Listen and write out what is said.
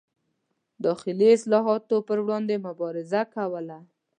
داخلي اصلاحاتو پر وړاندې مبارزه کوله.